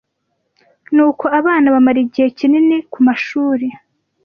ni uko abana bamara igihe kinini ku mashuri,